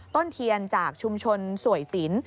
ต้นเทียนจากชุมชนสวยสิน